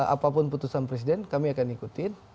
apapun putusan presiden kami akan ikutin